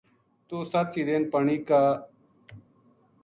توہ ست چیدین پانی کا